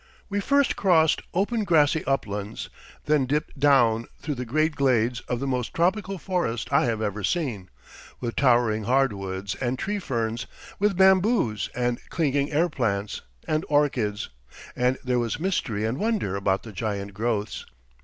We first crossed open grassy uplands, then dipped down through the great glades of the most tropical forest I have ever seen, with towering hard woods and tree ferns, with bamboos and clinging air plants and orchids, and there was mystery and wonder about the giant growths.